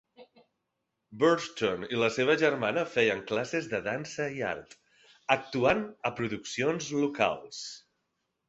Burton i la seva germana feien classes de dansa i art, actuant a produccions locals.